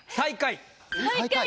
最下位。